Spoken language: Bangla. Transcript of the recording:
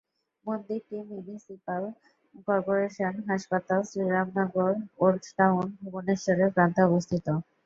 মন্দিরটি মিউনিসিপাল কর্পোরেশন হাসপাতাল, শ্রীরাম নগর, ওল্ড টাউন, ভুবনেশ্বরের প্রান্তে অবস্থিত।